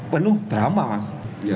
penuh drama mas